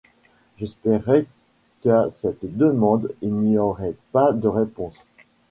J’espérais qu’à cette demande il n’y aurait pas de réponse.